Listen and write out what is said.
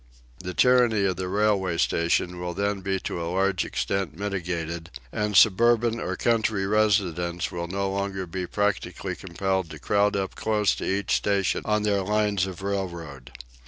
The tyranny of the railway station will then be to a large extent mitigated, and suburban or country residents will no longer be practically compelled to crowd up close to each station on their lines of railroad.